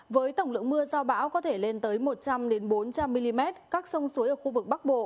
với tổng lượng mưa do bão có thể lên tới một trăm linh bốn trăm linh mm các sông suối ở khu vực bắc bộ